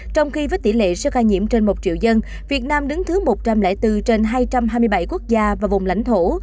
trong khi với tỷ lệ số ca nhiễm trên một triệu dân việt nam đứng thứ một trăm linh bốn trên hai trăm hai mươi bảy quốc gia và vùng lãnh thổ